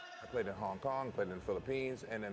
menjaga kembali ke dalam kemampuan basket di indonesia